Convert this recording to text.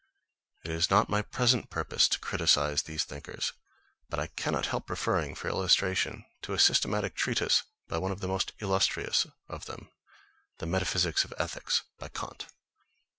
It is not my present purpose to criticise these thinkers; but I cannot help referring, for illustration, to a systematic treatise by one of the most illustrious of them, the Metaphysics of Ethics, by Kant.